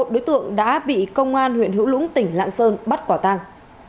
một mươi một đối tượng đã bị công an huyện hữu lũng tỉnh lạng sơn bắt quả tăng